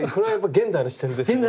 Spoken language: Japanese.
現代の視点です。